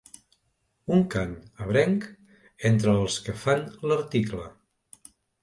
Un cant ebrenc entre els que fan l'article.